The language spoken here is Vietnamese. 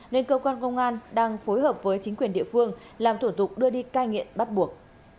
nên cơ quan công an đang phối hợp với chính quyền địa phương làm thủ tục đưa đi cai nghiện bắt buộc